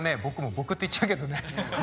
僕って言っちゃうけどね